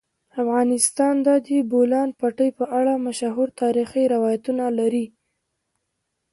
افغانستان د د بولان پټي په اړه مشهور تاریخی روایتونه لري.